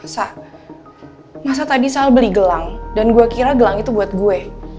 masa tadi saya beli gelang dan gue kira gelang itu buat gue